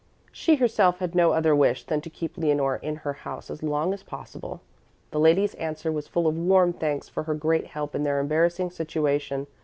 She herself had no other wish than to keep Leonore in her house as long as possible. The ladies' answer was full of warm thanks for her great help in their embarrassing situation.